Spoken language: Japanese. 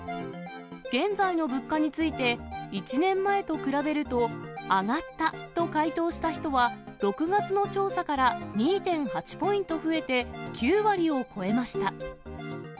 現在の物価について、１年前と比べると上がったと回答した人は、６月の調査から２．８ポイント増えて９割を超えました。